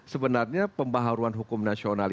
sebenarnya pembaruan hukum nasional